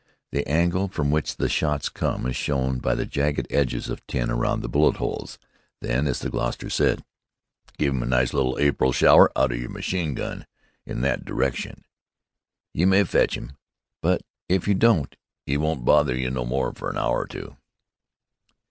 The angle from which the shots come is shown by the jagged edges of tin around the bullet holes. Then, as the Gloucester said, "Give 'im a nice little April shower out o' yer machine gun in that direction. You may fetch 'im. But if you don't, 'e won't bother you no more fer an hour or two."